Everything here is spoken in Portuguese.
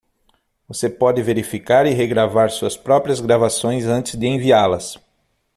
Você pode verificar e regravar suas próprias gravações antes de enviá-las.